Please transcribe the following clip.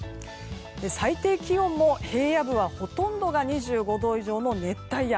最低気温も平野部はほとんどが２５度以上の熱帯夜。